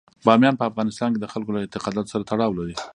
بامیان په افغانستان کې د خلکو له اعتقاداتو سره تړاو لري.